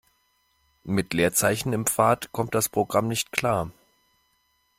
Mit Leerzeichen im Pfad kommt das Programm nicht klar.